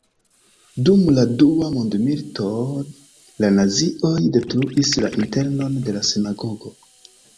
Dum la dua mondmilito la nazioj detruis la internon de la sinagogo.